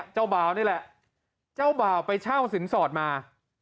เจ้าบ่าวนี่แหละเจ้าบ่าวไปเช่าสินสอดมา